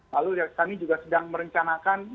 lalu kami juga sedang merencanakan